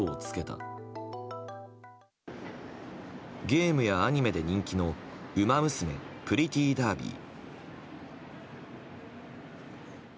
ゲームやアニメで人気の「ウマ娘プリティーダービー」。